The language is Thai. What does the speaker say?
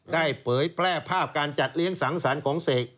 ได้เปยใช้แปลภาพการจัดเลี้ยงสั่งศรกันของเศก